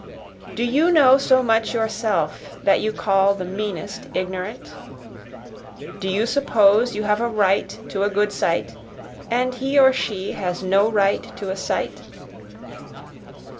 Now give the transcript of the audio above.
Do you know so much yourself that you call the meanest ignorant? Do you suppose you have a right to a good sight, and he or she has no right to a sight?